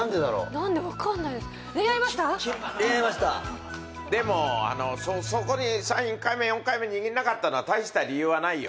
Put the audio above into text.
何で分かんないですでもそこに３回目４回目握んなかったのは大した理由はないよ